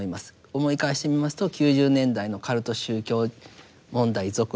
思い返してみますと９０年代のカルト宗教問題続発